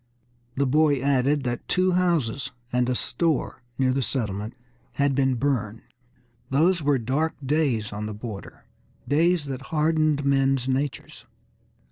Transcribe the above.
The boy added that two houses and a store near the settlement had been burned. Those were dark days on the border, days that hardened men's natures.